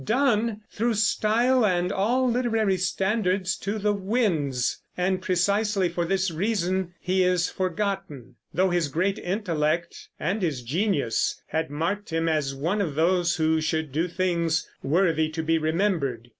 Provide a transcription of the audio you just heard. Donne threw style and all literary standards to the winds; and precisely for this reason he is forgotten, though his great intellect and his genius had marked him as one of those who should do things "worthy to be remembered."